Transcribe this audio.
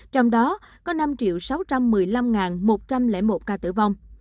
trong đó có năm sáu trăm một mươi năm một trăm linh một ca tử vong